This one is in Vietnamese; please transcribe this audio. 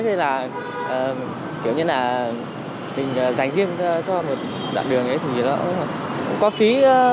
thế là kiểu như là mình dành riêng cho một đoạn đường ấy thì nó cũng có phí